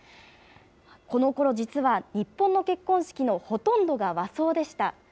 このころ、実は日本の結婚式のほとんどが和装でした。